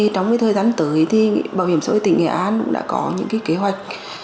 trong thời gian tới bảo hiểm xã hội tỉnh nghệ an cũng đã có những kế hoạch